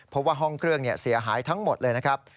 เพราะว่าห้องเครื่องเสียหายทั้งหมดเลยนะครับ